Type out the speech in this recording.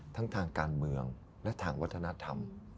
ทั้งทางการเมืองและทางวัฒนธรรม